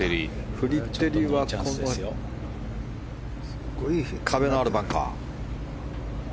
フリテリはこの壁のあるバンカー。